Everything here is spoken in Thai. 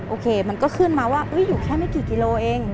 โอเคมันก็ขึ้นมาว่าอยู่แค่ไม่กี่กิโลเอง